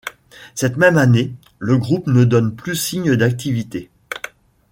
Cette même année, le groupe ne donne plus signe d'activité.